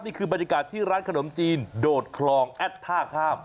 นี่คือบรรยากาศที่ร้านขนมจีนโดดคลองแอดท่าข้าม